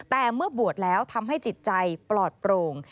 แต่เมื่อบวชแล้วทำให้จิตใจปลอดโปร่ง